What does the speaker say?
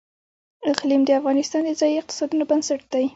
اقلیم د افغانستان د ځایي اقتصادونو بنسټ دی.